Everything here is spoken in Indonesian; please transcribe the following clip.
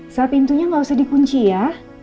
sel pintunya gak usah dikunci ya